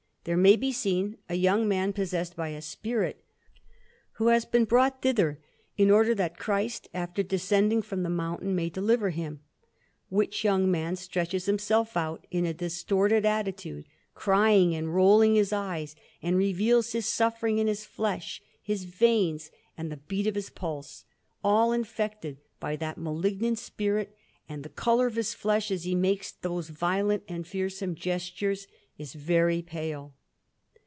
There may be seen a young man possessed by a spirit, who has been brought thither in order that Christ, after descending from the mountain, may deliver him; which young man stretches himself out in a distorted attitude, crying and rolling his eyes, and reveals his suffering in his flesh, his veins, and the beat of his pulse, all infected by that malignant spirit; and the colour of his flesh, as he makes those violent and fearsome gestures, is very pale.